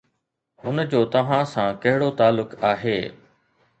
هن جو توهان سان ڪهڙو تعلق آهي